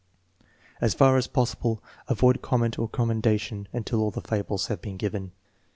As far as possible, avoid comment or commendation until all the fables have been given.